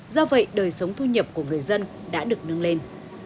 do vậy đời sống thu nhập của người dân đã được nâng lên